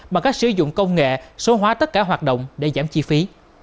bằng cách sử dụng công nghệ số hóa tất cả hoạt động để giảm chi phí